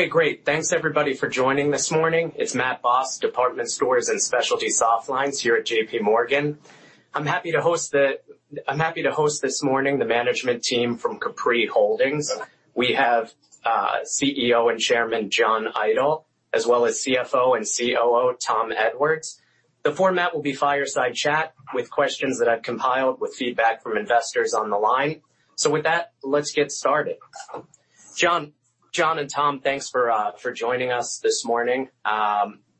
Okay, great. Thanks, everybody, for joining this morning. It's Matt Boss, Department Stores and Specialty Soft Lines here at J.P. Morgan. I'm happy to host this morning the management team from Capri Holdings. We have CEO and Chairman John Idol, as well as CFO and COO Tom Edwards. The format will be fireside chat with questions that I've compiled with feedback from investors on the line. With that, let's get started. John and Tom, thanks for joining us this morning.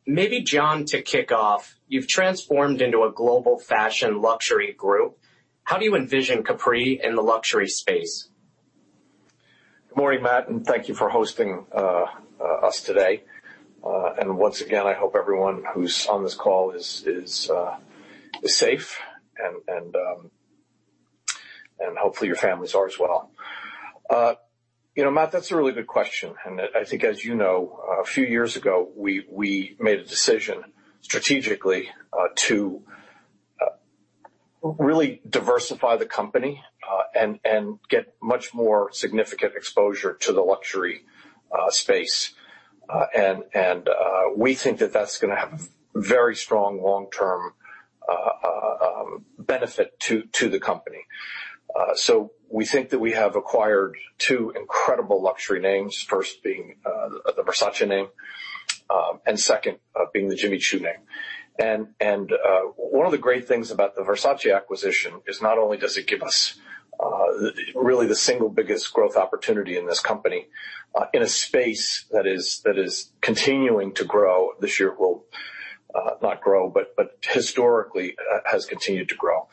Maybe John to kick off, you've transformed into a global fashion luxury group. How do you envision Capri in the luxury space? Good morning, Matt, thank you for hosting us today. Once again, I hope everyone who's on this call is safe and hopefully your families are as well. Matt, that's a really good question, and I think, as you know, a few years ago, we made a decision strategically to really diversify the company, and get much more significant exposure to the luxury space. We think that that's going to have a very strong long-term benefit to the company. We think that we have acquired two incredible luxury names. First being, the Versace name, and second being the Jimmy Choo name. One of the great things about the Versace acquisition is not only does it give us really the single biggest growth opportunity in this company, in a space that is continuing to grow. This year it will not grow, historically has continued to grow.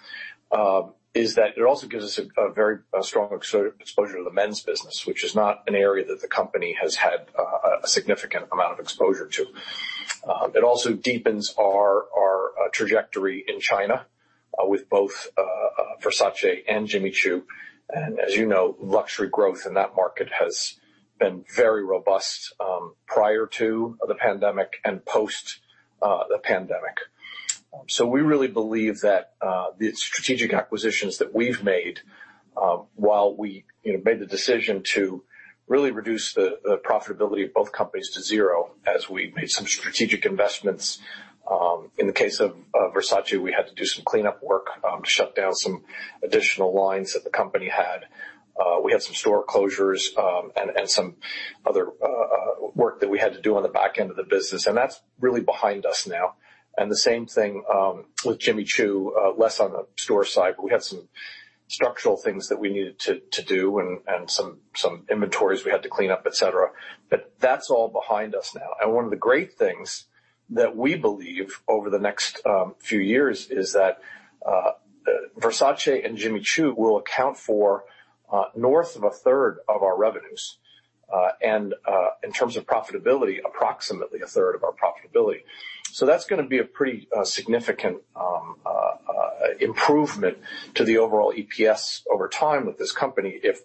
Is that it also gives us a very strong exposure to the men's business, which is not an area that the company has had a significant amount of exposure to. It also deepens our trajectory in China with both Versace and Jimmy Choo. As you know, luxury growth in that market has been very robust prior to the pandemic and post the pandemic. We really believe that the strategic acquisitions that we've made, while we made the decision to really reduce the profitability of both companies to zero as we made some strategic investments. In the case of Versace, we had to do some cleanup work, to shut down some additional lines that the company had. We had some store closures, and some other work that we had to do on the back end of the business, and that's really behind us now. The same thing with Jimmy Choo, less on the store side, but we had some structural things that we needed to do and some inventories we had to clean up, et cetera. That's all behind us now. One of the great things that we believe over the next few years is that Versace and Jimmy Choo will account for north of a third of our revenues. In terms of profitability, approximately a third of our profitability. That's going to be a pretty significant improvement to the overall EPS over time with this company if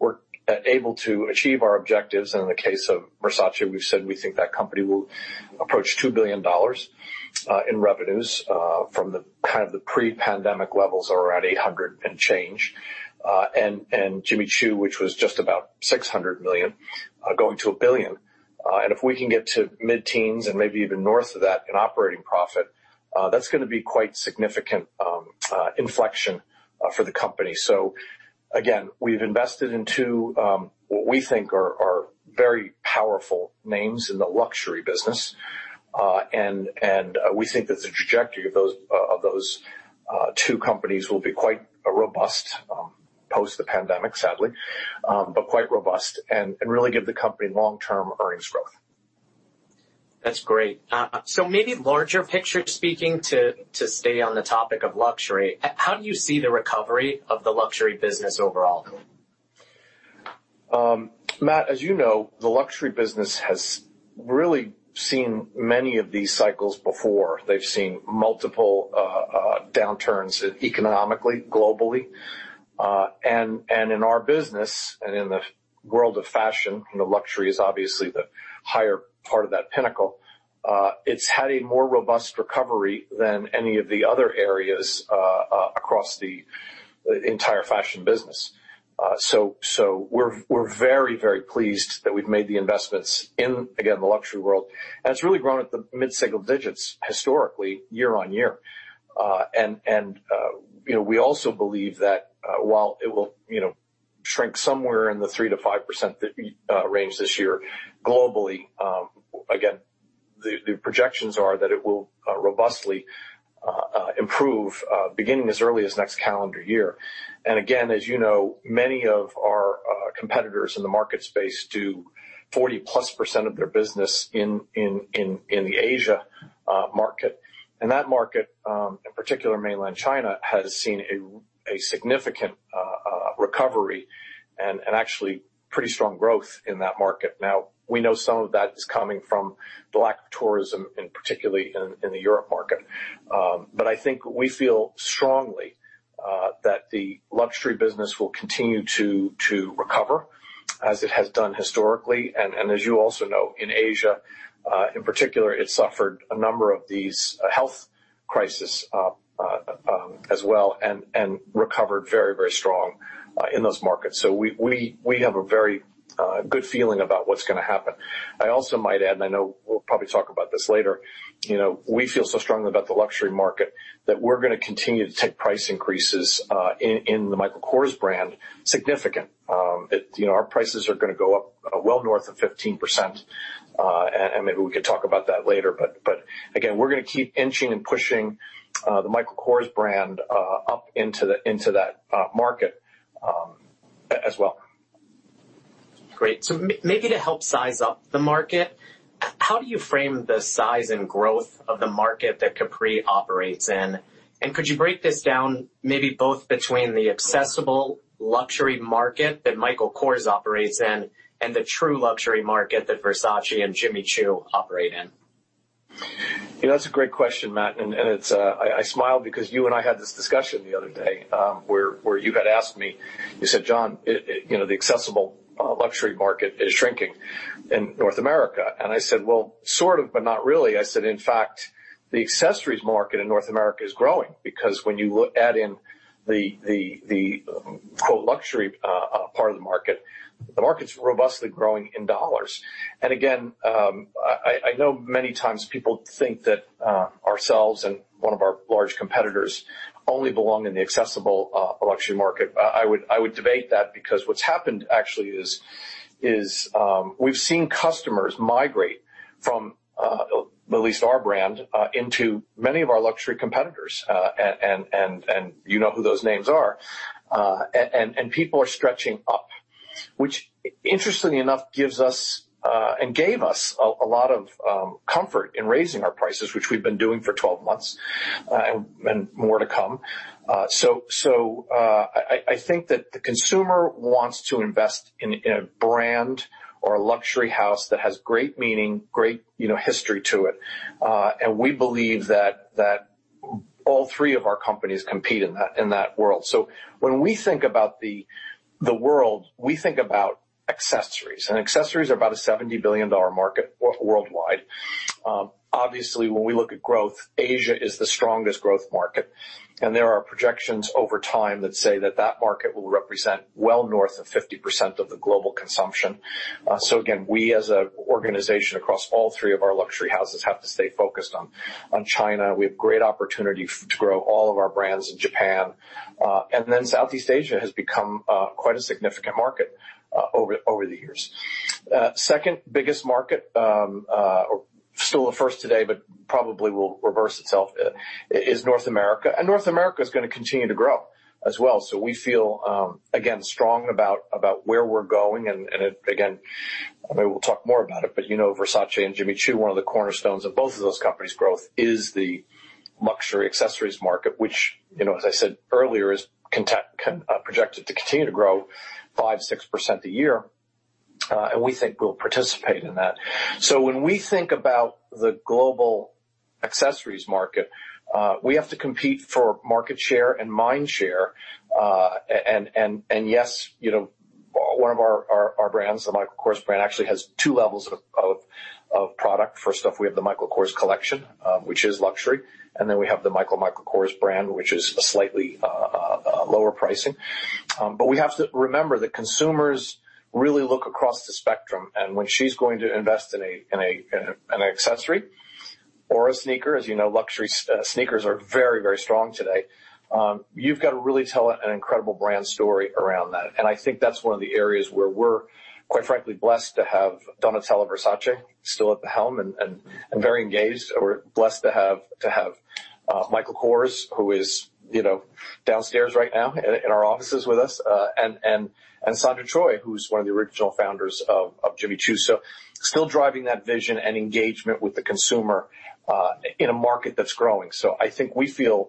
we're able to achieve our objectives. In the case of Versace, we've said we think that company will approach $2 billion in revenues from the pre-pandemic levels that were at $800 and change. Jimmy Choo, which was just about $600 million, going to $1 billion. If we can get to mid-teens and maybe even north of that in operating profit, that's going to be quite significant inflection for the company. Again, we've invested in two, what we think are very powerful names in the luxury business. We think that the trajectory of those two companies will be quite robust, post the pandemic, sadly, but quite robust and really give the company long-term earnings growth. That's great. Maybe larger picture speaking to stay on the topic of luxury, how do you see the recovery of the luxury business overall? Matt, as you know, the luxury business has really seen many of these cycles before. They've seen multiple downturns economically, globally. In our business and in the world of fashion, and luxury is obviously the higher part of that pinnacle, it's had a more robust recovery than any of the other areas across the entire fashion business. We're very pleased that we've made the investments in, again, the luxury world, and it's really grown at the mid-single digits historically year-on-year. We also believe that while it will shrink somewhere in the 3%-5% range this year globally, again, the projections are that it will robustly improve, beginning as early as next calendar year. Again, as you know, many of our competitors in the market space do 40-plus% of their business in the Asia market. That market, in particular mainland China, has seen a significant recovery and actually pretty strong growth in that market. Now, we know some of that is coming from lack of tourism particularly in the Europe market. I think we feel strongly that the luxury business will continue to recover as it has done historically. As you also know, in Asia, in particular, it suffered a number of these health crisis as well and recovered very strong in those markets. We have a very good feeling about what's going to happen. I also might add, and I know we'll probably talk about this later. We feel so strongly about the luxury market that we're going to continue to take price increases in the Michael Kors brand significant. Our prices are going to go up well north of 15%, and maybe we could talk about that later. Again, we're going to keep inching and pushing the Michael Kors brand up into that market as well. Great. Maybe to help size up the market, how do you frame the size and growth of the market that Capri operates in? Could you break this down maybe both between the accessible luxury market that Michael Kors operates in and the true luxury market that Versace and Jimmy Choo operate in? That's a great question, Matt, and I smile because you and I had this discussion the other day, where you had asked me, you said, "John, the accessible luxury market is shrinking in North America." I said, "Well, sort of, but not really." I said, "In fact, the accessories market in North America is growing because when you add in the "luxury" part of the market, the market's robustly growing in dollars." Again, I know many times people think that ourselves and one of our large competitors only belong in the accessible luxury market. I would debate that, because what's happened actually is, we've seen customers migrate from at least our brand into many of our luxury competitors, and you know who those names are. People are stretching up, which interestingly enough, gives us, and gave us a lot of comfort in raising our prices, which we've been doing for 12 months, and more to come. I think that the consumer wants to invest in a brand or a luxury house that has great meaning, great history to it. We believe that all three of our companies compete in that world. When we think about the world, we think about accessories. Accessories are about a $70 billion market worldwide. Obviously, when we look at growth, Asia is the strongest growth market, and there are projections over time that say that that market will represent well north of 50% of the global consumption. Again, we as an organization across all three of our luxury houses have to stay focused on China. We have great opportunity to grow all of our brands in Japan. Southeast Asia has become quite a significant market over the years. Second biggest market, still the first today, but probably will reverse itself, is North America, and North America is going to continue to grow as well. We feel, again, strong about where we're going. Again, maybe we'll talk more about it, but Versace and Jimmy Choo, one of the cornerstones of both of those companies' growth is the luxury accessories market, which, as I said earlier, is projected to continue to grow 5%-6% a year, and we think we'll participate in that. When we think about the global accessories market, we have to compete for market share and mind share. Yes, one of our brands, the Michael Kors brand, actually has two levels of product. First off, we have the Michael Kors Collection, which is luxury, and then we have the MICHAEL Michael Kors brand, which is a slightly lower pricing. We have to remember that consumers really look across the spectrum, and when she's going to invest in an accessory or a sneaker, as you know, luxury sneakers are very strong today. You've got to really tell an incredible brand story around that. I think that's one of the areas where we're quite frankly blessed to have Donatella Versace still at the helm and very engaged. We're blessed to have Michael Kors, who is downstairs right now in our offices with us, and Sandra Choi, who's one of the original founders of Jimmy Choo. Still driving that vision and engagement with the consumer, in a market that's growing. I think we feel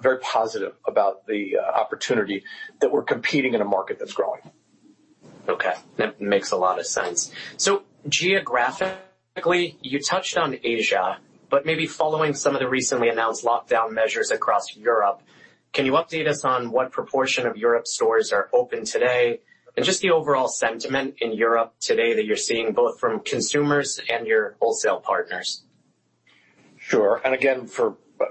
very positive about the opportunity that we're competing in a market that's growing. Okay. That makes a lot of sense. Geographically, you touched on Asia, but maybe following some of the recently announced lockdown measures across Europe, can you update us on what proportion of Europe stores are open today and just the overall sentiment in Europe today that you're seeing both from consumers and your wholesale partners? Sure. Again,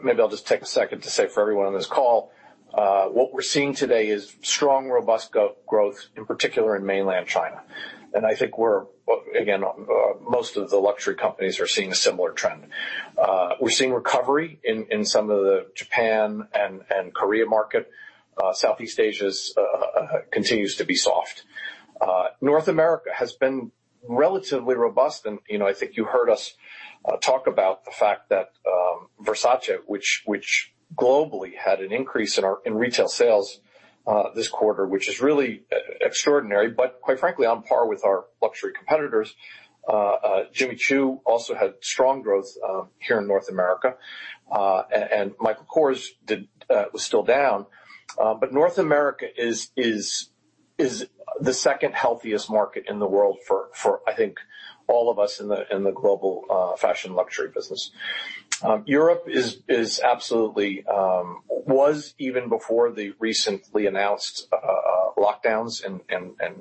maybe I'll just take a second to say for everyone on this call, what we're seeing today is strong, robust growth, in particular in mainland China. I think we're, again, most of the luxury companies are seeing a similar trend. We're seeing recovery in some of the Japan and Korea market. Southeast Asia continues to be soft. North America has been relatively robust. I think you heard us talk about the fact that Versace, which globally had an increase in retail sales this quarter, which is really extraordinary, but quite frankly, on par with our luxury competitors. Jimmy Choo also had strong growth here in North America. Michael Kors was still down. North America is the second healthiest market in the world for, I think, all of us in the global fashion luxury business. Europe, even before the recently announced lockdowns and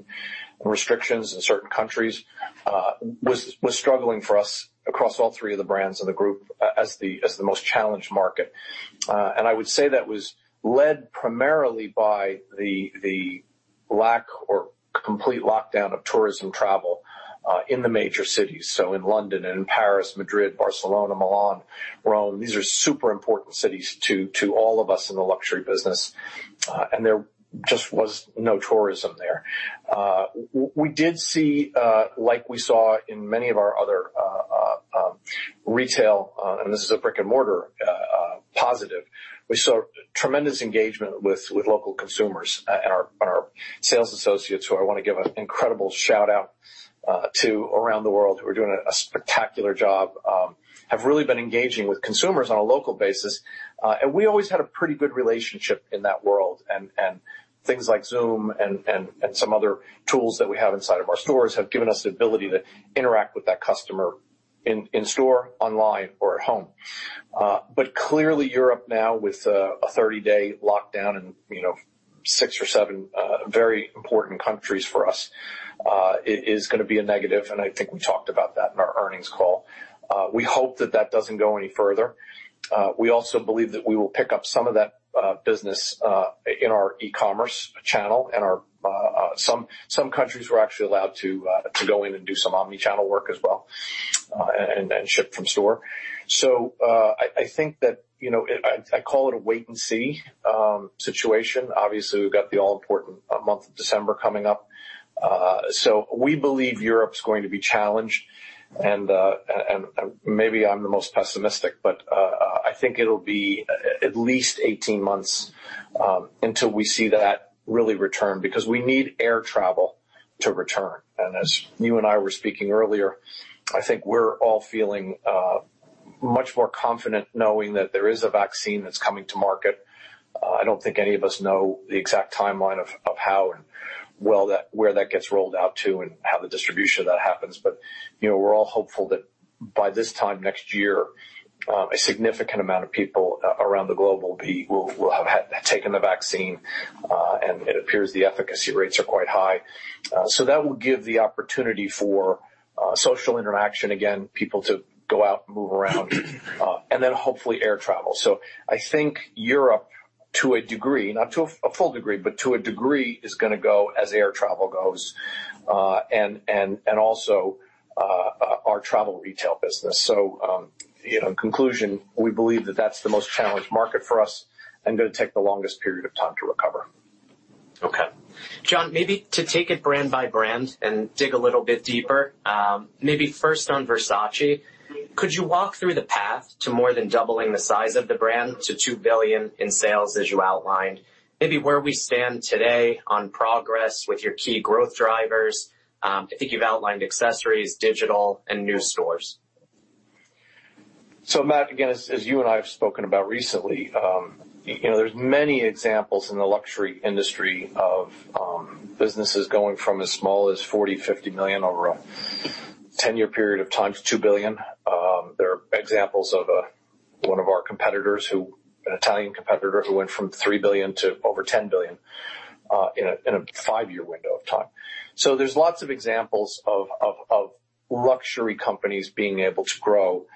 restrictions in certain countries, was struggling for us across all three of the brands in the group as the most challenged market. I would say that was led primarily by the lack or complete lockdown of tourism travel in the major cities. In London and in Paris, Madrid, Barcelona, Milan, Rome. These are super important cities to all of us in the luxury business. There just was no tourism there. We did see, like we saw in many of our other retail, and this is a brick and mortar positive, we saw tremendous engagement with local consumers and our sales associates, who I want to give an incredible shout-out to around the world, who are doing a spectacular job, have really been engaging with consumers on a local basis. We always had a pretty good relationship in that world. Things like Zoom and some other tools that we have inside of our stores have given us the ability to interact with that customer in store, online or at home. Clearly Europe now with a 30-day lockdown and six or seven very important countries for us, is going to be a negative, and I think we talked about that in our earnings call. We hope that that doesn't go any further. We also believe that we will pick up some of that business in our e-commerce channel and some countries we're actually allowed to go in and do some omnichannel work as well, and ship from store. I think that, I call it a wait-and-see situation. Obviously, we've got the all-important month of December coming up. We believe Europe is going to be challenged, and maybe I'm the most pessimistic, but I think it'll be at least 18 months until we see that really return, because we need air travel to return. As you and I were speaking earlier, I think we're all feeling much more confident knowing that there is a vaccine that's coming to market. I don't think any of us know the exact timeline of how and where that gets rolled out to and how the distribution of that happens. We're all hopeful that by this time next year, a significant amount of people around the globe will have taken the vaccine. It appears the efficacy rates are quite high. That will give the opportunity for social interaction, again, people to go out and move around, and then hopefully air travel. I think Europe, to a degree, not to a full degree, but to a degree, is going to go as air travel goes, and also our travel retail business. In conclusion, we believe that that's the most challenged market for us and going to take the longest period of time to recover. Okay. John, maybe to take it brand by brand and dig a little bit deeper. Maybe first on Versace. Could you walk through the path to more than doubling the size of the brand to $2 billion in sales, as you outlined? Maybe where we stand today on progress with your key growth drivers. I think you've outlined accessories, digital, and new stores. Matt, again, as you and I have spoken about recently, there's many examples in the luxury industry of businesses going from as small as $40 million, $50 million over a 10-year period of time to $2 billion. There are examples of one of our competitors who—an Italian competitor—who went from $3 billion to over $10 billion in a five-year window of time. there's lots of examples of luxury companies being able to grow.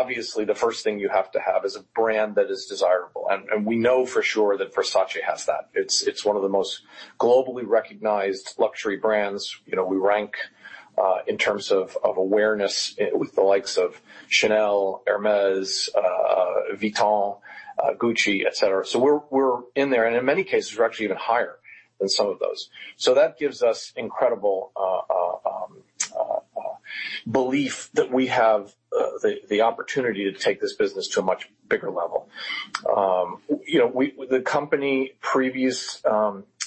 obviously the first thing you have to have is a brand that is desirable. we know for sure that Versace has that. It's one of the most globally recognized luxury brands. We rank in terms of awareness with the likes of Chanel, Hermès, Vuitton, Gucci, etc. We're in there, and in many cases, we're actually even higher than some of those. That gives us incredible belief that we have the opportunity to take this business to a much bigger level. The company previous,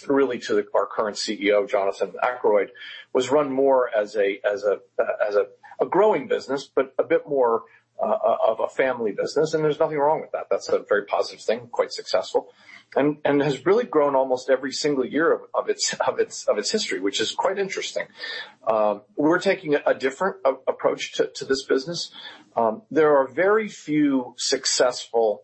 really to our current CEO, Jonathan Akeroyd, was run more as a growing business, but a bit more of a family business. There's nothing wrong with that. That's a very positive thing, quite successful, and has really grown almost every single year of its history, which is quite interesting. We're taking a different approach to this business. There are very few successful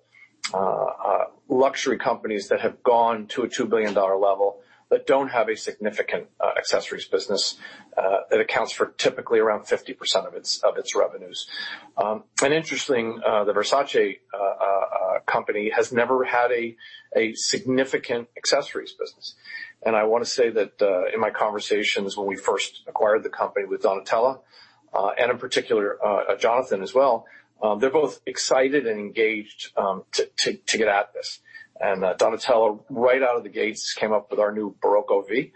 luxury companies that have gone to a $2 billion level that don't have a significant accessories business. It accounts for typically around 50% of its revenues. Interesting, the Versace company has never had a significant accessories business. I want to say that in my conversations when we first acquired the company with Donatella, and in particular, Jonathan as well, they're both excited and engaged to get at this. Donatella, right out of the gates, came up with our new Barocco V,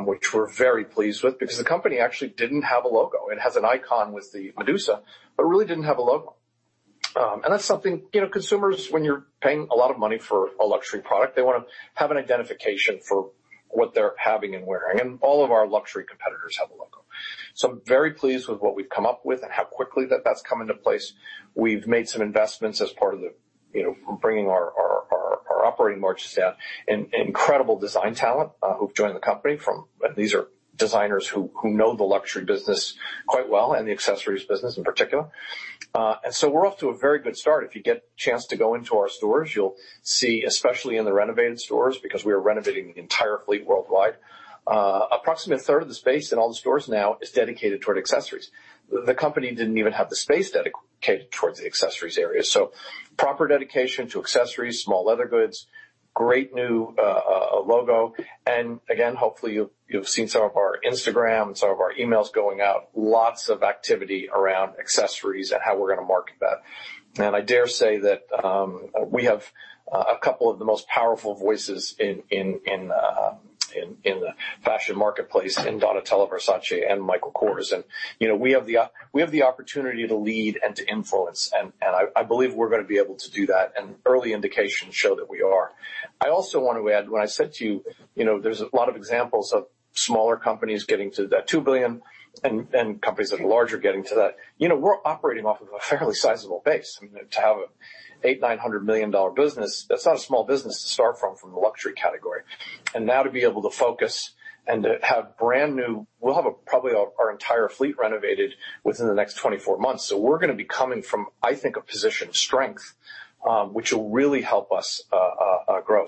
which we're very pleased with because the company actually didn't have a logo. It has an icon with the Medusa, but really didn't have a logo. That's something, consumers, when you're paying a lot of money for a luxury product, they want to have an identification for what they're having and wearing. All of our luxury competitors have a logo. I'm very pleased with what we've come up with and how quickly that's come into place. We've made some investments as part of the, bringing our operating margins down, incredible design talent, who've joined the company. These are designers who know the luxury business quite well and the accessories business in particular. We're off to a very good start. If you get a chance to go into our stores, you'll see, especially in the renovated stores, because we are renovating the entire fleet worldwide. Approximately a third of the space in all the stores now is dedicated toward accessories. The company didn't even have the space dedicated towards the accessories area. Proper dedication to accessories, small leather goods, great new logo. Hopefully, you've seen some of our Instagram and some of our emails going out. Lots of activity around accessories and how we're going to market that. I dare say that, we have a couple of the most powerful voices in the fashion marketplace in Donatella Versace and Michael Kors. We have the opportunity to lead and to influence, and I believe we're going to be able to do that. Early indications show that we are. I also want to add, when I said to you, there's a lot of examples of smaller companies getting to that $2 billion and companies that are larger getting to that. We're operating off of a fairly sizable base. I mean, to have a $900 million business, that's not a small business to start from the luxury category. Now to be able to focus. We'll have probably our entire fleet renovated within the next 24 months. We're going to be coming from, I think, a position of strength, which will really help us grow.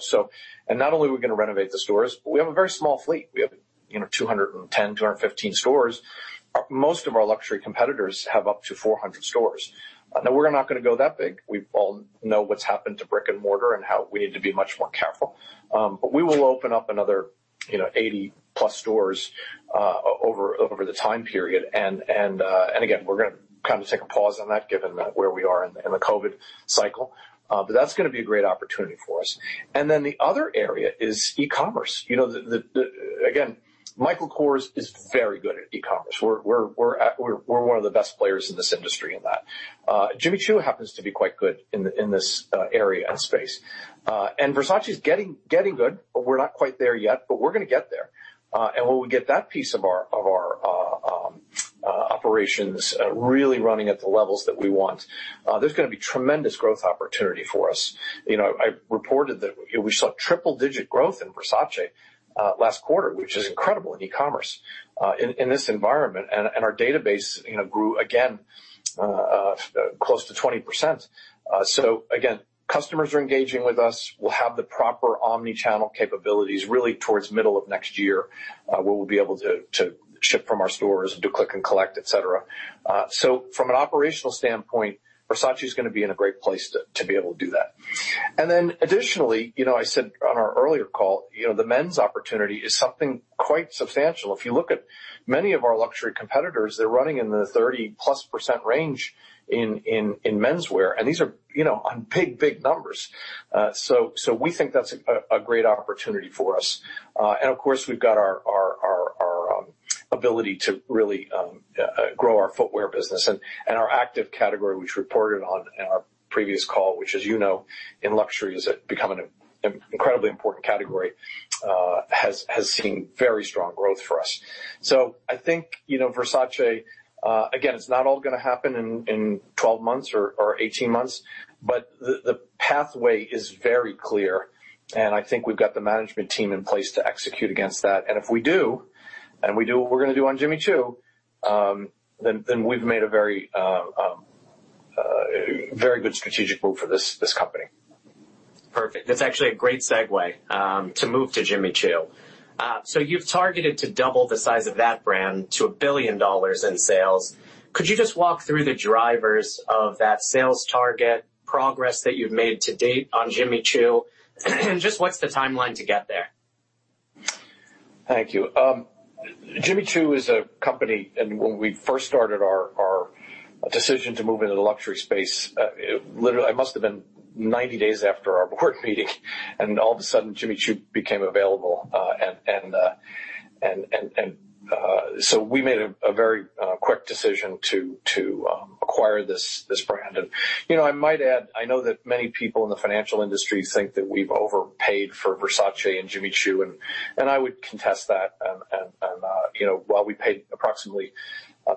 Not only are we going to renovate the stores, but we have a very small fleet. We have 210, 215 stores. Most of our luxury competitors have up to 400 stores. We're not going to go that big. We all know what's happened to brick and mortar and how we need to be much more careful. We will open up another 80 plus stores, over the time period. Again, we're going to kind of take a pause on that given that where we are in the COVID cycle. That's going to be a great opportunity for us. The other area is e-commerce. Again, Michael Kors is very good at e-commerce. We're one of the best players in this industry in that. Jimmy Choo happens to be quite good in this area and space. Versace is getting good, but we're not quite there yet. We're going to get there. When we get that piece of our operations really running at the levels that we want, there's going to be tremendous growth opportunity for us. I reported that we saw triple-digit growth in Versace last quarter, which is incredible in e-commerce, in this environment. Our database grew again, close to 20%. Again, customers are engaging with us. We'll have the proper omni-channel capabilities really towards middle of next year, where we'll be able to ship from our stores and do click and collect, etc. From an operational standpoint, Versace is going to be in a great place to be able to do that. Additionally, I said on our earlier call, the men's opportunity is something quite substantial. If you look at many of our luxury competitors, they're running in the 30%+ range in menswear. These are on big numbers. We think that's a great opportunity for us. Of course, we've got our ability to really grow our footwear business and our active category, which we reported on in our previous call, which as you know, in luxury, is becoming an incredibly important category, has seen very strong growth for us. I think Versace, again, it's not all going to happen in 12 months or 18 months, but the pathway is very clear, and I think we've got the management team in place to execute against that. If we do, and we do what we're going to do on Jimmy Choo, then we've made a very good strategic move for this company. Perfect. That's actually a great segue to move to Jimmy Choo. You've targeted to double the size of that brand to $1 billion in sales. Could you just walk through the drivers of that sales target, progress that you've made to date on Jimmy Choo and just what's the timeline to get there? Thank you. Jimmy Choo is a company. When we first started our decision to move into the luxury space, literally, it must have been 90 days after our board meeting. All of a sudden, Jimmy Choo became available. We made a very quick decision to acquire this brand. I might add, I know that many people in the financial industry think that we've overpaid for Versace and Jimmy Choo, and I would contest that. While we paid approximately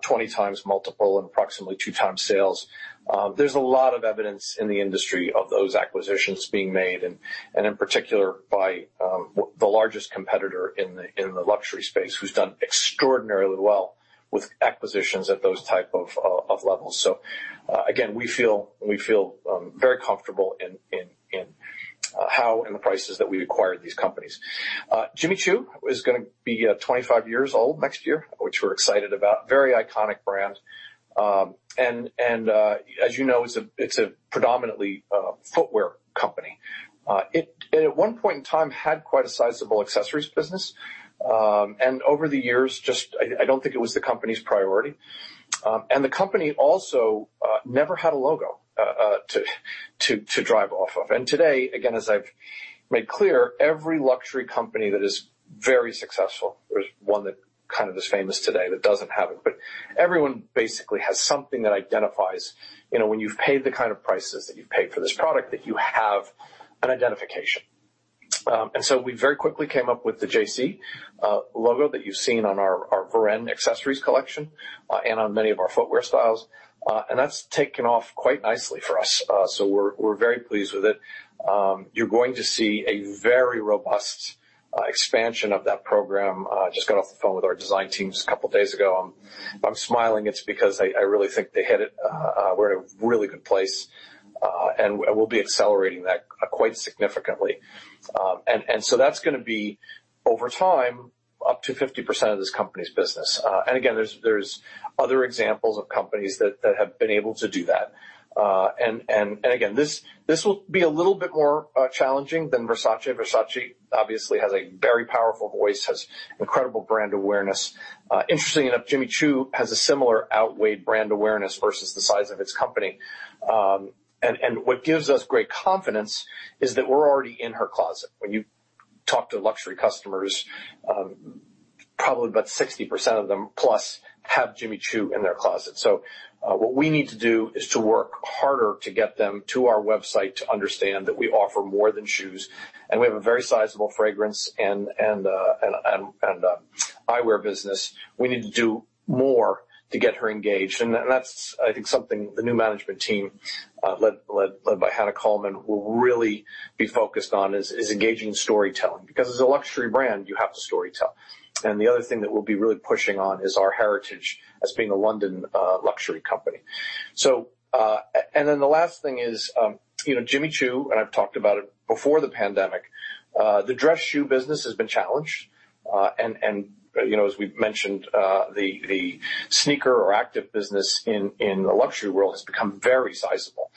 20 times multiple and approximately two times sales, there's a lot of evidence in the industry of those acquisitions being made, and in particular by the largest competitor in the luxury space who's done extraordinarily well with acquisitions at those type of levels. Again, we feel very comfortable in how and the prices that we acquired these companies. Jimmy Choo is going to be 25 years old next year, which we're excited about. Very iconic brand. As you know, it's a predominantly footwear company. It, at one point in time, had quite a sizable accessories business. Over the years, I don't think it was the company's priority. The company also never had a logo to drive off of. Today, again, as I've made clear, every luxury company that is very successful, there's one that kind of is famous today that doesn't have it, but everyone basically has something that identifies. When you've paid the kind of prices that you've paid for this product, that you have an identification. We very quickly came up with the 'JC' logo that you've seen on our Varenne accessories collection and on many of our footwear styles. That's taken off quite nicely for us, so we're very pleased with it. You're going to see a very robust expansion of that program. Just got off the phone with our design teams a couple of days ago. If I'm smiling, it's because I really think they hit it. We're in a really good place. We'll be accelerating that quite significantly. That's going to be, over time, up to 50% of this company's business. Again, there's other examples of companies that have been able to do that. Again, this will be a little bit more challenging than Versace. Versace obviously has a very powerful voice, has incredible brand awareness. Interestingly enough, Jimmy Choo has a similar outweighed brand awareness versus the size of its company. What gives us great confidence is that we're already in her closet. When you talk to luxury customers, probably about 60% of them plus have Jimmy Choo in their closet. What we need to do is to work harder to get them to our website to understand that we offer more than shoes, and we have a very sizable fragrance and eyewear business. We need to do more to get her engaged. That's, I think, something the new management team, led by Hannah Colman, Chief Executive Officer, will really be focused on, is engaging storytelling. As a luxury brand, you have to story tell. The other thing that we'll be really pushing on is our heritage as being a London luxury company. The last thing is Jimmy Choo, and I've talked about it before the pandemic. The dress shoe business has been challenged. As we've mentioned, the sneaker or active business in the luxury world has become very sizable.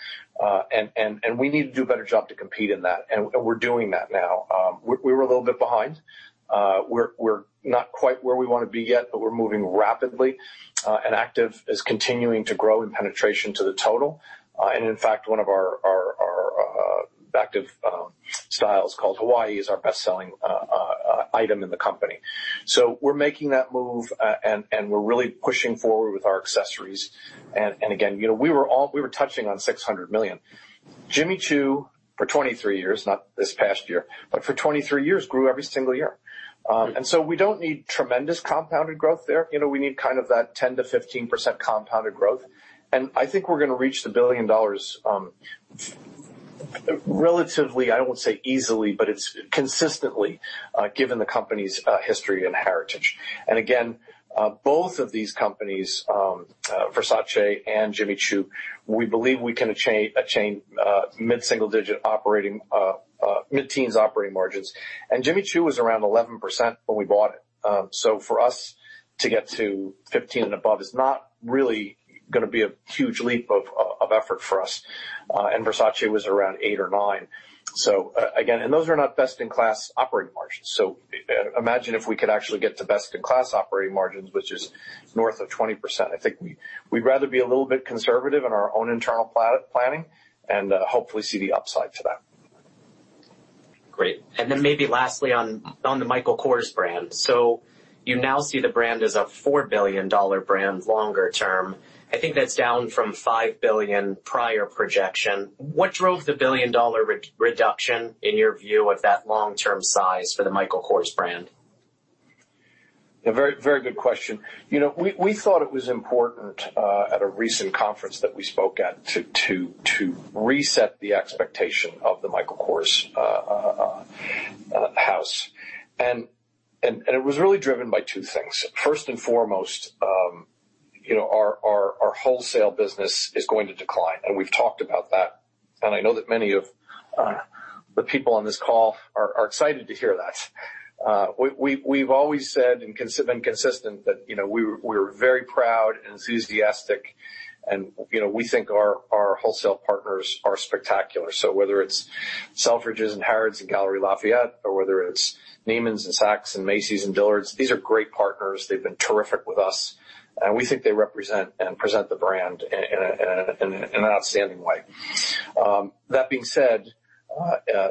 We need to do a better job to compete in that, and we're doing that now. We were a little bit behind. We're not quite where we want to be yet, but we're moving rapidly. Active is continuing to grow in penetration to the total. In fact, one of our active styles called Hawaii is our best-selling item in the company. We're making that move, and we're really pushing forward with our accessories. Again, we were touching on $600 million. Jimmy Choo, for 23 years, not this past year, but for 23 years, grew every single year. We don't need tremendous compounded growth there. We need that 10%-15% compounded growth. I think we're going to reach the $1 billion relatively, I won't say easily, but it's consistently, given the company's history and heritage. Again, both of these companies, Versace and Jimmy Choo, we believe we can attain mid-teen operating margins. Jimmy Choo was around 11% when we bought it. For us to get to 15% and above is not really going to be a huge leap of effort for us. Versace was around eight or nine. Again, and those are not best-in-class operating margins. Imagine if we could actually get to best-in-class operating margins, which is north of 20%. I think we'd rather be a little bit conservative in our own internal planning and hopefully see the upside to that. Great. Maybe lastly on the Michael Kors brand. You now see the brand as a $4 billion brand longer term. I think that's down from $5 billion prior projection. What drove the billion-dollar reduction in your view of that long-term size for the Michael Kors brand? Yeah, very good question. We thought it was important, at a recent conference that we spoke at, to reset the expectation of the Michael Kors. It was really driven by two things. First and foremost, our wholesale business is going to decline, and we've talked about that, and I know that many of the people on this call are excited to hear that. We've always said and been consistent that we're very proud and enthusiastic, and we think our wholesale partners are spectacular. Whether it's Selfridges, Harrods, Galeries Lafayette or whether it's Neiman's and Saks and Macy's and Dillard's, these are great partners. They've been terrific with us. We think they represent and present the brand in an outstanding way. That being said,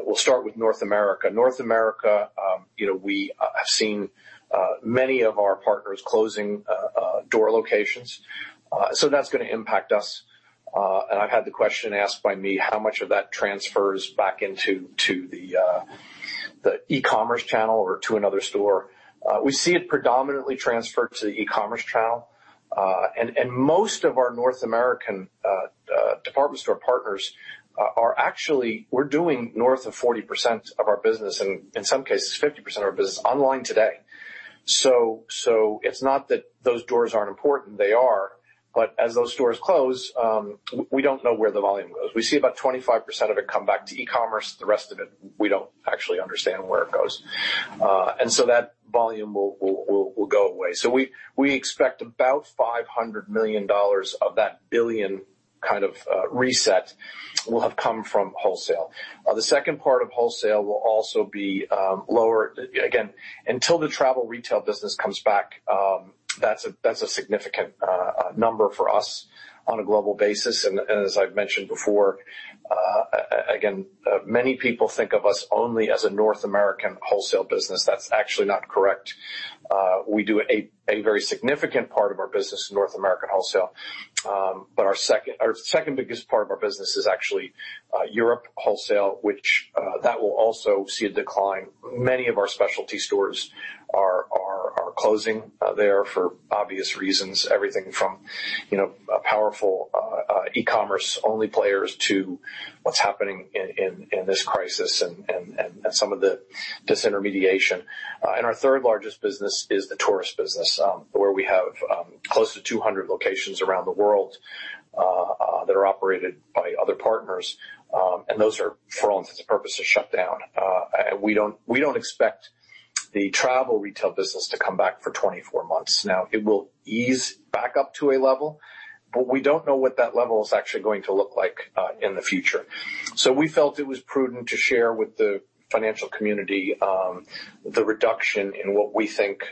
we'll start with North America. North America, we have seen many of our partners closing door locations. That's going to impact us. I've had the question asked by me, how much of that transfers back into the e-commerce channel or to another store? We see it predominantly transferred to the e-commerce channel. Most of our North American department store partners, we're doing north of 40% of our business and in some cases, 50% of our business online today. It's not that those doors aren't important, they are, but as those stores close, we don't know where the volume goes. We see about 25% of it come back to e-commerce. The rest of it, we don't actually understand where it goes. That volume will go away. We expect about $500 million of that billion reset will have come from wholesale. The second part of wholesale will also be lower. Until the travel retail business comes back, that's a significant number for us on a global basis. As I've mentioned before, again, many people think of us only as a North American wholesale business. That's actually not correct. We do a very significant part of our business in North American wholesale. Our second biggest part of our business is actually Europe wholesale, which that will also see a decline. Many of our specialty stores are closing there for obvious reasons. Everything from powerful e-commerce only players to what's happening in this crisis, and some of the disintermediation. Our third largest business is the tourist business, where we have close to 200 locations around the world, that are operated by other partners. Those are, for all intents and purposes, shut down. We don't expect the travel retail business to come back for 24 months now. It will ease back up to a level, but we don't know what that level is actually going to look like in the future. We felt it was prudent to share with the financial community, the reduction in what we think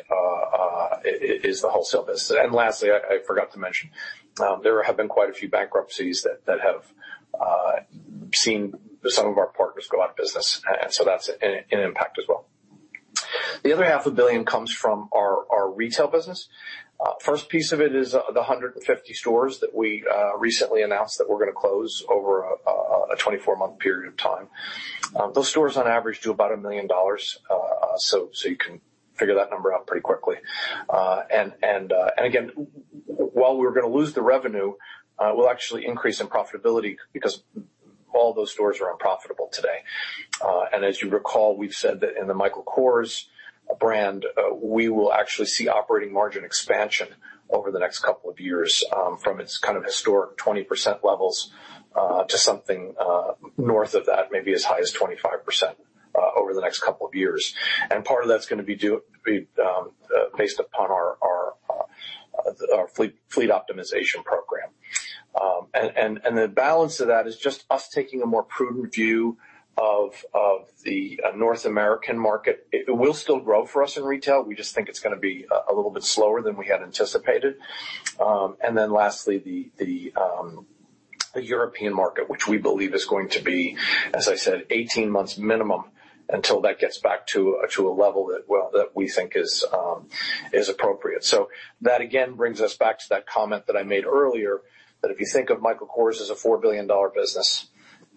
is the wholesale business. Lastly, I forgot to mention, there have been quite a few bankruptcies that have seen some of our partners go out of business, and so that's an impact as well. The other $half a billion comes from our retail business. First piece of it is the 150 stores that we recently announced that we're going to close over a 24-month period of time. Those stores, on average, do about $1 million. You can figure that number out pretty quickly. Again, while we're going to lose the revenue, we'll actually increase in profitability because all those stores are unprofitable today. As you recall, we've said that in the Michael Kors, we will actually see operating margin expansion over the next couple of years from its historic 20% levels to something north of that, maybe as high as 25% over the next couple of years. Part of that is going to be based upon our fleet optimization program. The balance of that is just us taking a more prudent view of the North American market. It will still grow for us in retail. We just think it's going to be a little bit slower than we had anticipated. Lastly, the European market, which we believe is going to be, as I said, 18 months minimum until that gets back to a level that we think is appropriate. That, again, brings us back to that comment that I made earlier, that if you think of Michael Kors as a $4 billion business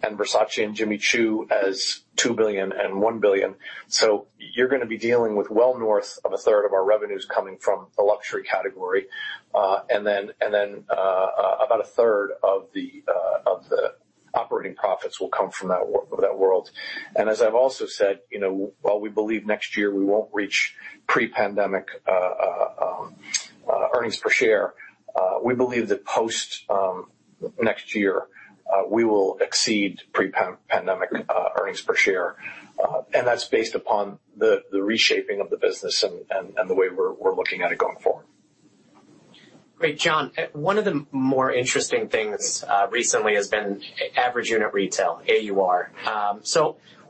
and Versace and Jimmy Choo as $2 billion and $1 billion, you're going to be dealing with well north of a third of our revenues coming from the luxury category. About a third of the operating profits will come from that world. As I've also said, while we believe next year we won't reach pre-pandemic earnings per share, we believe that post next year, we will exceed pre-pandemic earnings per share. That's based upon the reshaping of the business and the way we're looking at it going forward. Great. John, one of the more interesting things recently has been average unit retail, AUR.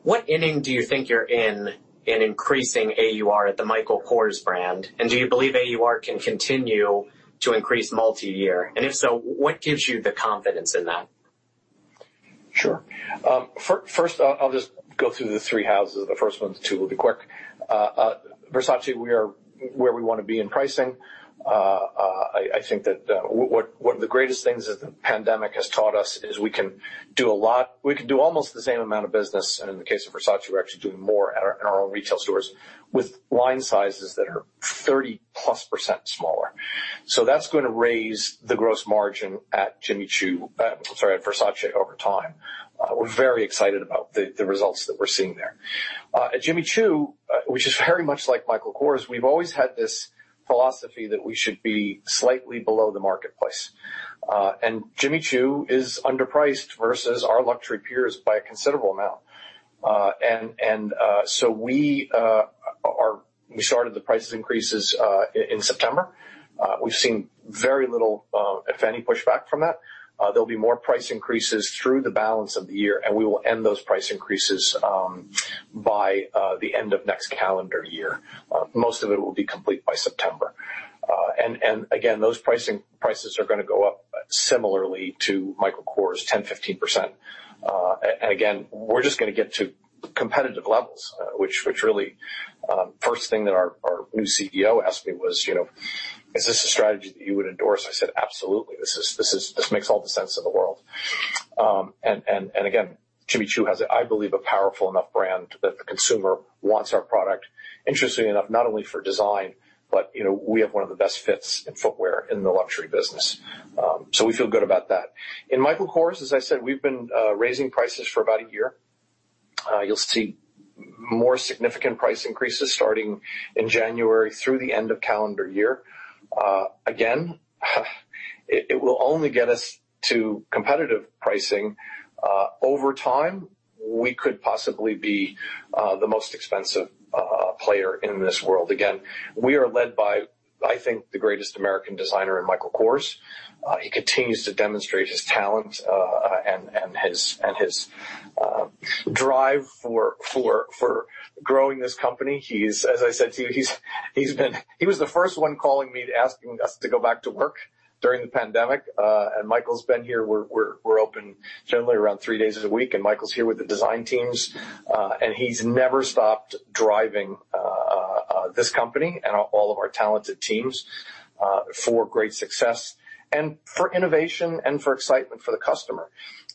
What inning do you think you're in in increasing AUR at the Michael Kors brand, and do you believe AUR can continue to increase multi-year? If so, what gives you the confidence in that? Sure. I'll just go through the three houses. The first two will be quick. Versace, we are where we want to be in pricing. I think that one of the greatest things that the pandemic has taught us is we can do almost the same amount of business, and in the case of Versace, we're actually doing more in our own retail stores with line sizes that are 30-plus% smaller. That's going to raise the gross margin at Versace over time. We're very excited about the results that we're seeing there. At Jimmy Choo, which is very much like Michael Kors, we've always had this philosophy that we should be slightly below the marketplace. Jimmy Choo is underpriced versus our luxury peers by a considerable amount. We started the price increases in September. We've seen very little, if any, pushback from that. There'll be more price increases through the balance of the year, and we will end those price increases by the end of next calendar year. Most of it will be complete by September. Again, those prices are going to go up similarly to Michael Kors, 10%, 15%. Again, we're just going to get to competitive levels. Which really, first thing that our new CEO asked me was, "Is this a strategy that you would endorse?" I said, "Absolutely. This makes all the sense in the world." Again, Jimmy Choo has, I believe, a powerful enough brand that the consumer wants our product, interestingly enough, not only for design, but we have one of the best fits in footwear in the luxury business. We feel good about that. In Michael Kors, as I said, we've been raising prices for about a year. You'll see more significant price increases starting in January through the end of calendar year. Again, it will only get us to competitive pricing. Over time, we could possibly be the most expensive player in this world. Again, we are led by, I think, the greatest American designer in Michael Kors. He continues to demonstrate his talent, and his drive for growing this company. As I said to you, he was the first one calling me asking us to go back to work during the pandemic. Michael's been here. We're open generally around three days a week, and Michael's here with the design teams, and he's never stopped driving this company and all of our talented teams for great success and for innovation and for excitement for the customer.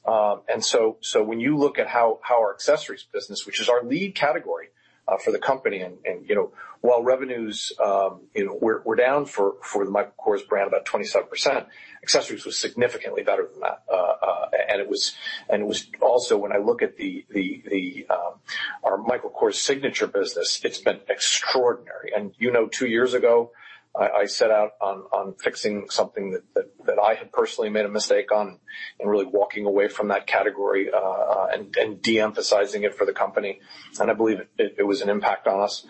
When you look at how our accessories business, which is our lead category for the company, while revenues were down for the Michael Kors brand about 27%, accessories was significantly better than that. It was also when I look at our Michael Kors signature business, it's been extraordinary. Two years ago, I set out on fixing something that I had personally made a mistake on and really walking away from that category, and de-emphasizing it for the company. I believe it was an impact on us.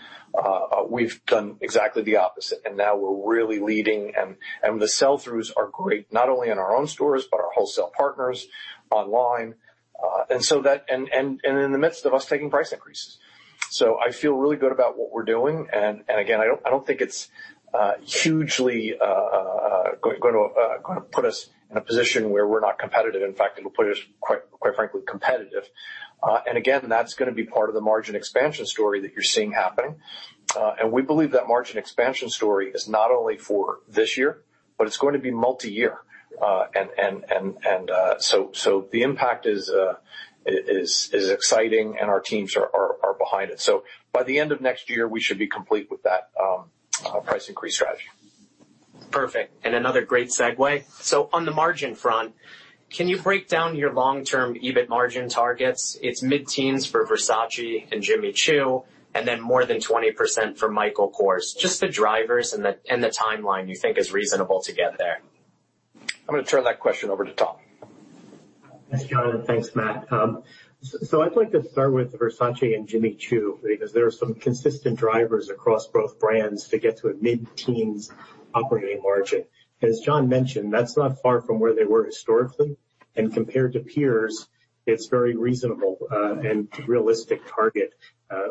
We've done exactly the opposite, and now we're really leading, and the sell-throughs are great, not only in our own stores, but our wholesale partners online, and in the midst of us taking price increases. I feel really good about what we're doing, and again, I don't think it's hugely going to put us in a position where we're not competitive. In fact, it'll put us, quite frankly, competitive. Again, that's going to be part of the margin expansion story that you're seeing happening. We believe that margin expansion story is not only for this year, but it's going to be multi-year. The impact is exciting, and our teams are behind it. By the end of next year, we should be complete with that price increase strategy. Perfect. Another great segue. On the margin front, can you break down your long-term EBIT margin targets? It's mid-teens for Versace and Jimmy Choo, and then more than 20% for Michael Kors. Just the drivers and the timeline you think is reasonable to get there. I'm going to turn that question over to Tom. Thanks, John, and thanks, Matt. I'd like to start with Versace and Jimmy Choo, because there are some consistent drivers across both brands to get to a mid-teens operating margin. As John mentioned, that's not far from where they were historically, and compared to peers, it's very reasonable and realistic target,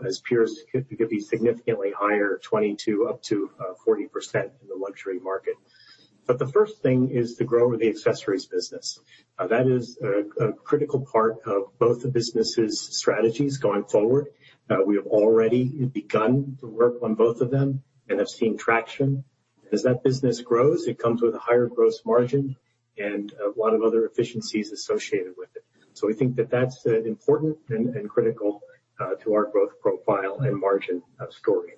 as peers could be significantly higher, 22% up to 40% in the luxury market. The first thing is the growth of the accessories business. That is a critical part of both the businesses' strategies going forward. We have already begun to work on both of them and have seen traction. As that business grows, it comes with a higher gross margin and a lot of other efficiencies associated with it. We think that that's important and critical to our growth profile and margin story.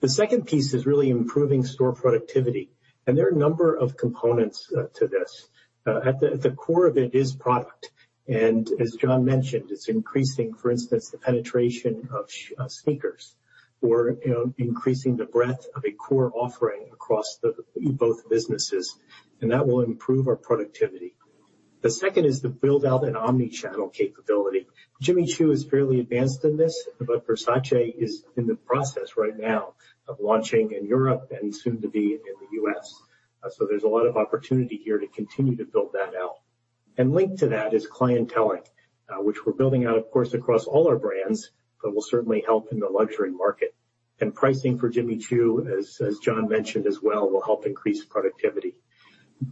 The second piece is really improving store productivity, and there are a number of components to this. At the core of it is product, and as John mentioned, it's increasing, for instance, the penetration of sneakers or increasing the breadth of a core offering across both businesses, and that will improve our productivity. The second is the build-out in omni-channel capability. Jimmy Choo is fairly advanced in this. Versace is in the process right now of launching in Europe and soon to be in the U.S. There's a lot of opportunity here to continue to build that out. Linked to that is clienteling, which we're building out, of course, across all our brands, but will certainly help in the luxury market. Pricing for Jimmy Choo, as John mentioned as well, will help increase productivity.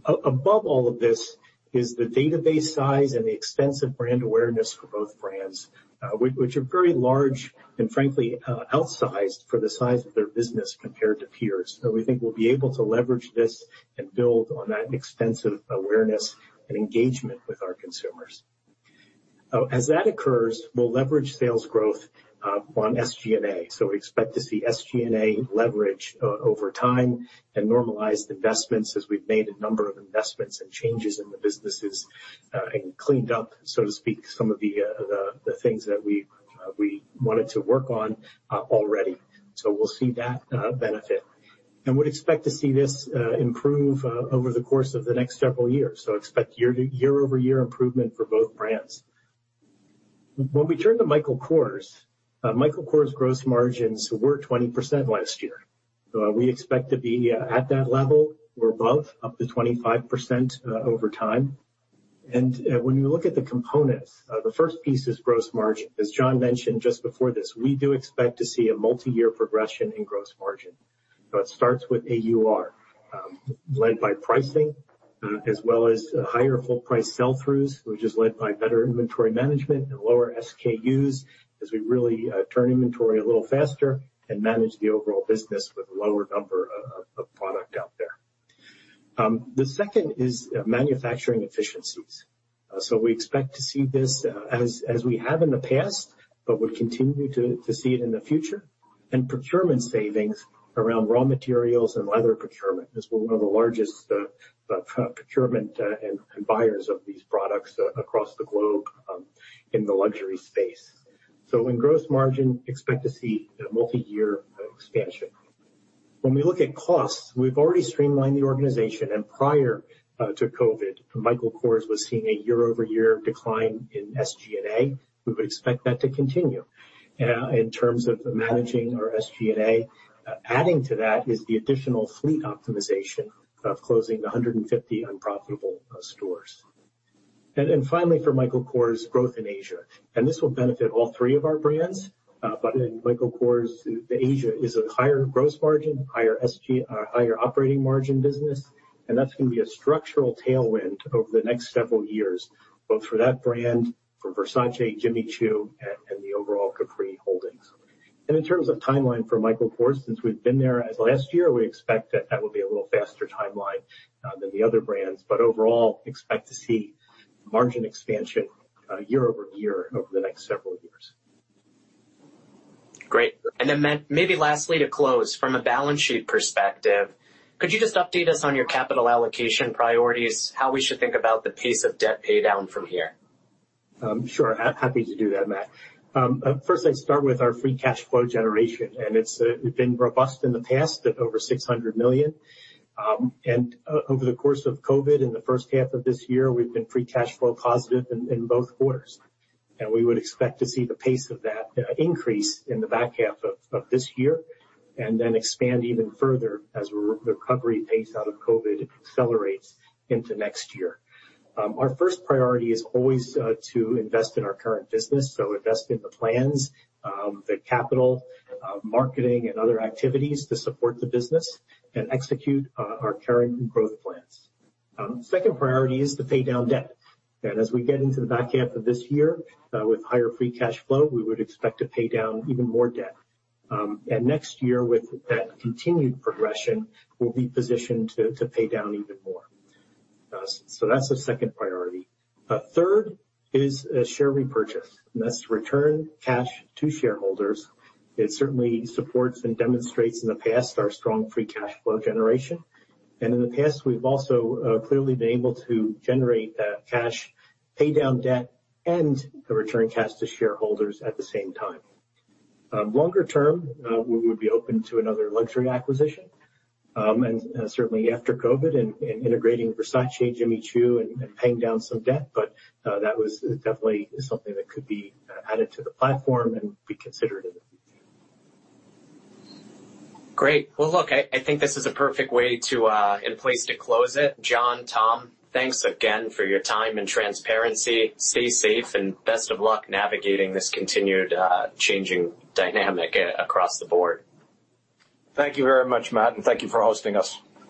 Above all of this is the database size and the extensive brand awareness for both brands, which are very large and frankly, outsized for the size of their business compared to peers. We think we'll be able to leverage this and build on that extensive awareness and engagement with our consumers. As that occurs, we'll leverage sales growth on SG&A. Expect to see SG&A leverage over time and normalized investments as we've made a number of investments and changes in the businesses and cleaned up, so to speak, some of the things that we wanted to work on already. We'll see that benefit. Would expect to see this improve over the course of the next several years. Expect year-over-year improvement for both brands. When we turn to Michael Kors, Michael Kors gross margins were 20% last year. We expect to be at that level or above, up to 25% over time. When we look at the components, the first piece is gross margin. As John mentioned just before this, we do expect to see a multi-year progression in gross margin. It starts with AUR, led by pricing as well as higher full-price sell-throughs, which is led by better inventory management and lower SKUs as we really turn inventory a little faster and manage the overall business with a lower number of product out there. The second is manufacturing efficiencies. We expect to see this as we have in the past, but would continue to see it in the future. Procurement savings around raw materials and leather procurement. As one of the largest procurement and buyers of these products across the globe in the luxury space. In gross margin, expect to see a multi-year expansion. When we look at costs, we've already streamlined the organization, and prior to COVID, Michael Kors was seeing a year-over-year decline in SG&A. We would expect that to continue. In terms of managing our SG&A, adding to that is the additional fleet optimization of closing 150 unprofitable stores. Then finally, for Michael Kors growth in Asia, this will benefit all three of our brands. In Michael Kors, Asia is a higher gross margin, higher operating margin business, and that's going to be a structural tailwind over the next several years, both for that brand, for Versace, Jimmy Choo, and the overall Capri Holdings. In terms of timeline for Michael Kors, since we've been there as last year, we expect that that will be a little faster timeline than the other brands. Overall, expect to see margin expansion year-over-year over the next several years. Great. Maybe lastly, to close, from a balance sheet perspective, could you just update us on your capital allocation priorities, how we should think about the pace of debt pay down from here? Sure. Happy to do that, Matt. First, I'd start with our free cash flow generation, and it's been robust in the past at over $600 million. Over the course of COVID, in the first half of this year, we've been free cash flow positive in both quarters. We would expect to see the pace of that increase in the back half of this year and then expand even further as recovery pace out of COVID accelerates into next year. Our first priority is always to invest in our current business, so invest in the plans, the capital, marketing and other activities to support the business and execute our current growth plans. Second priority is to pay down debt. As we get into the back half of this year with higher free cash flow, we would expect to pay down even more debt. Next year, with that continued progression, we'll be positioned to pay down even more. That's the second priority. Third is a share repurchase, and that's to return cash to shareholders. It certainly supports and demonstrates in the past our strong free cash flow generation. In the past, we've also clearly been able to generate cash, pay down debt, and return cash to shareholders at the same time. Longer term, we would be open to another luxury acquisition, and certainly after COVID and integrating Versace, Jimmy Choo, and paying down some debt. That was definitely something that could be added to the platform and be considered in the future. Great. Well, look, I think this is a perfect way to, and place to close it. John, Tom, thanks again for your time and transparency. Stay safe and best of luck navigating this continued changing dynamic across the board. Thank you very much, Matt, and thank you for hosting us.